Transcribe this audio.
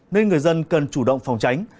nên người dân cần chủ động phòng tránh